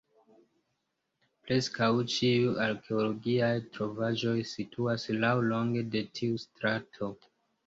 Preskaŭ ĉiuj arkeologiaj trovaĵoj situas laŭlonge de tiu strato.